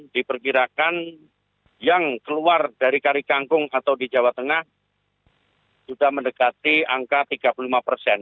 diperkirakan yang keluar dari karikangkung atau di jawa tengah sudah mendekati angka tiga puluh lima persen